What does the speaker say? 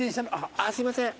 あっすいません。